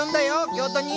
京都に！